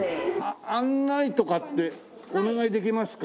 案内とかってお願いできますか？